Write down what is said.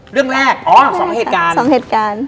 เรื่องแรกอ๋อสองเหตุการณ์